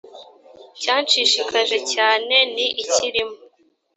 cyanshishikaje cyane ni ikirimo